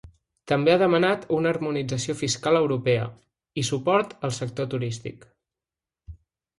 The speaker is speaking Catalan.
També ha demanat una harmonització fiscal europea i suport al sector turístic.